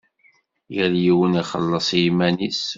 Yal yiwen ixelleṣ i yiman-is.